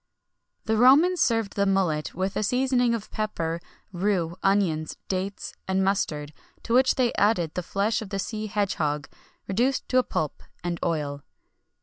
The Romans served the mullet with a seasoning of pepper, rue, onions, dates, and mustard, to which they added the flesh of the sea hedge hog reduced to a pulp, and oil.